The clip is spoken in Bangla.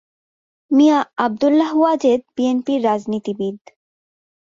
মিয়া আবদুল্লাহ ওয়াজেদ বিএনপির রাজনীতিবিদ।